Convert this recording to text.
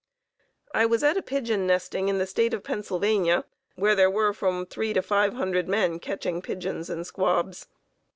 I was at a pigeon nesting in the State of Pennsylvania where there were from three to five hundred men catching pigeons and squabs.